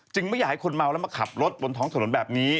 ไม่อยากให้คนเมาแล้วมาขับรถบนท้องถนนแบบนี้